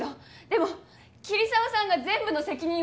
でも桐沢さんが全部の責任を負うのは。